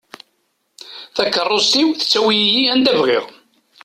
Takerrust-iw tettawi-iyi anda bɣiɣ;